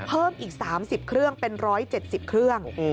เพิ่มอีก๓๐เครื่องเป็น๑๗๐เครื่อง